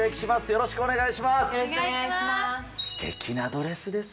よろしくお願いします。